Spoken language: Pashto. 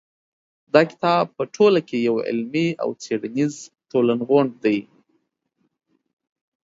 دا کتاب په ټوله کې یو علمي او څېړنیز ټولغونډ دی.